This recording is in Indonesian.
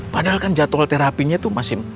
padahal kan jadwal terapinya itu masih